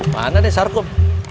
mana deh sarkop